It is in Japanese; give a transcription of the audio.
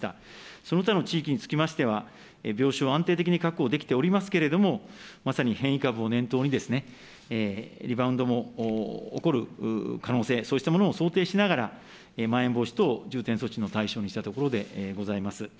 その他の地域につきましては、病床を安定的に確保できておりますけれども、まさに変異株を念頭に、リバウンドも起こる可能性、そうしたものを想定しながら、まん延防止等重点措置の対象にしたところでございます。